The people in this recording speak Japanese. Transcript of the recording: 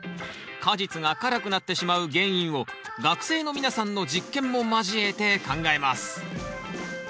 果実が辛くなってしまう原因を学生の皆さんの実験も交えて考えます。